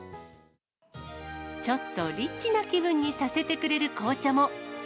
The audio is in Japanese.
ちょっとリッチな気分にさせてくれる紅茶も。